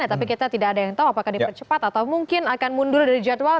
tapi kita tidak ada yang tahu apakah dipercepat atau mungkin akan mundur dari jadwal